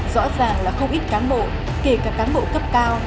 rõ ràng là không ít cán bộ kể cả cán bộ cấp cao